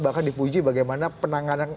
bahkan dipuji bagaimana penanganan